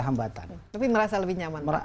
hambatan tapi merasa lebih nyaman pak